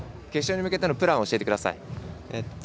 決勝に向けてのプランを教えてください。